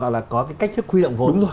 gọi là có cái cách thức huy động vốn